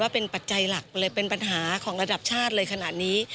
เป็นปัญหาของระดับชาติเลยขนาดนี้